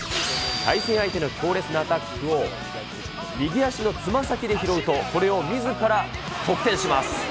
対戦相手の強烈なアタックを、右足のつま先で拾うと、これをみずから得点します。